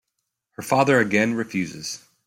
Her father again refuses.